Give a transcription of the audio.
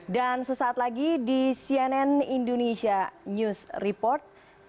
dan sesaat lagi di cnn indonesia news report